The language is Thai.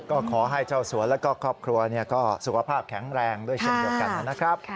ก็ขอให้เจ้าสวนแล้วก็ครอบครัวก็สุขภาพแข็งแรงด้วยเช่นเดียวกันนะครับ